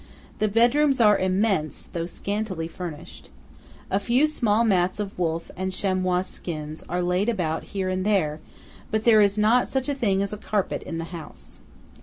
The bedrooms are immense, though scantily furnished. A few small mats of wolf and chamois skins are laid about here and there; but there is not such a thing as a carpet in the house.